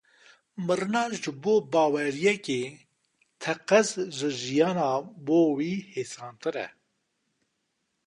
Mirina ji bo baweriyekê, teqez ji jiyîna bo wê hêsantir e.